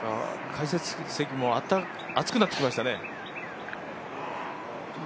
解説席も熱くなってきましたね。